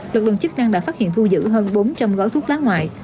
lực lượng chức năng đã phát hiện thu giữ hơn bốn trăm linh gói thuốc lá ngoại